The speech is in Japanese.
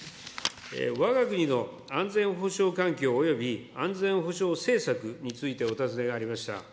わが国の安全保障環境および安全保障政策についてお尋ねがありました。